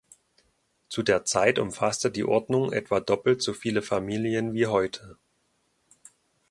Zu der Zeit umfasste die Ordnung etwa doppelt so viele Familien wie heute.